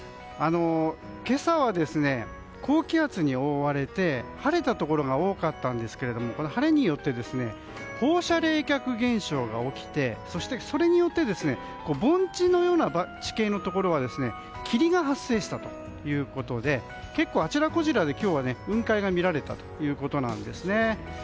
今朝は高気圧に覆われて晴れたところが多かったんですが晴れによって放射冷却現象が起きてそして、それによって盆地のような地形のところには霧が発生したということで結構あちらこちらで今日は雲海が見られたということです。